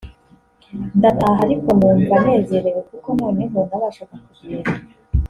ndataha ariko numva nezerewe kuko noneho nabashaga kugenda